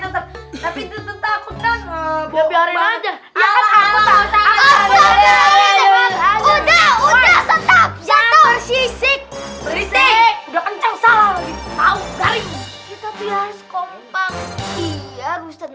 tapi tetep takut kan